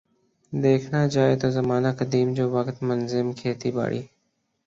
دیکھنا جائے تو زمانہ قدیم جو وقت منظم کھیتی باڑی